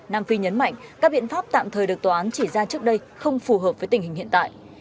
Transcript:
nam phi nhấn mạnh các biện pháp tạm thời được tòa án chỉ ra trước đây không phù hợp với tình hình hiện tại